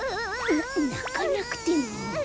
ななかなくても。